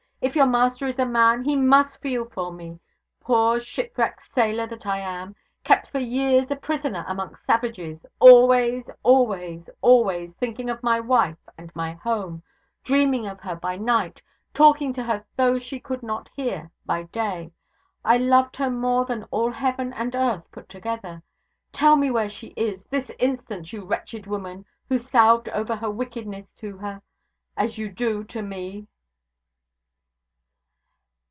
If your master is a man, he must feel for me poor shipwrecked sailor that I am kept for years a prisoner amongst savages, always, always, always thinking of my wife and my home dreaming of her by night, talking to her though she could not hear, by day. I loved her more than all heaven and earth put together. Tell me where she is, this instant, you wretched woman, who salved over her wickedness to her, as you do to me!'